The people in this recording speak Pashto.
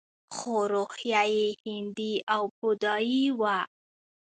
خو روحیه یې هندي او بودايي وه